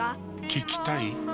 聞きたい？